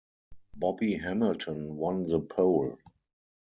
Bobby Hamilton won the pole.